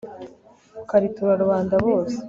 ukaritura rubanda.bose